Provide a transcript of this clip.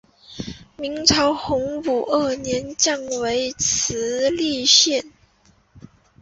明朝洪武二年降为慈利县。